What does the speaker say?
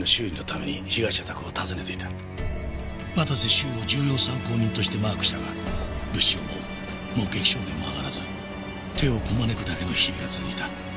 修を重要参考人としてマークしたが物証も目撃証言もあがらず手をこまねくだけの日々が続いた。